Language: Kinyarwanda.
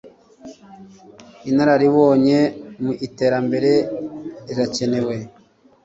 Inararibonye mu iterambere zirakenewe